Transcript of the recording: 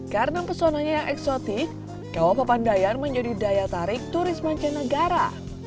karena pesonanya yang eksotik kawah papandayan menjadi daya tarik turis mancanegara